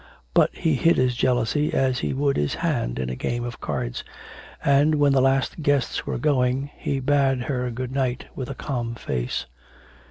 But he hid his jealousy as he would his hand in a game of cards, and, when the last guests were going, he bade her good night with a calm face.